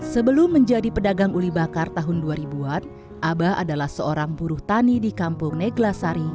sebelum menjadi pedagang uli bakar tahun dua ribu an abah adalah seorang buruh tani di kampung neglasari